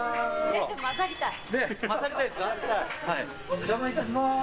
お邪魔いたします。